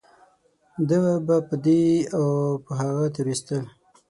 ده به په دې او په هغه تېرويستل .